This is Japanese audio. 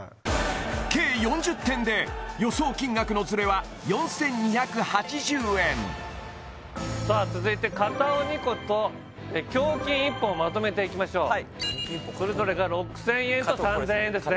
計４０点で予想金額のズレは４２８０円さあ続いてかたお２個と胸筋一本！をまとめていきましょうそれぞれが６０００円と３０００円ですね